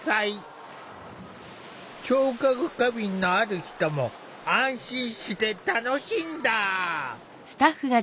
聴覚過敏のある人も安心して楽しんだ。